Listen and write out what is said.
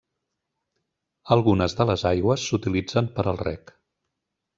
Algunes de les aigües s'utilitzen per al reg.